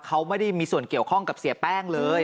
เขาไม่ได้มีส่วนเกี่ยวข้องกับเสียแป้งเลย